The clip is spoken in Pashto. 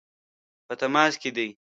په تماس کې دي.